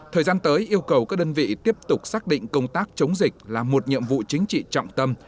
thời gian tới yêu cầu các đơn vị tiếp tục xác định công tác chống dịch là một nhiệm vụ chính trị trọng tâm